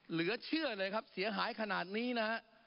เหลือเชื่อเลยครับเสียหายขนาดนี้นะฮะ